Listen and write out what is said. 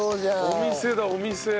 お店だお店。